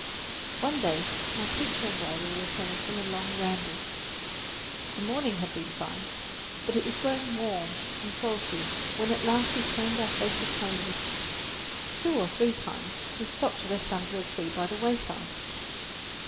One day my teacher and I were returning from a long ramble. The morning had been fine, but it was growing warm and sultry when at last we turned our faces homeward. Two or three times we stopped to rest under a tree by the wayside.